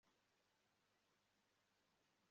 nzi neza ko nabivuze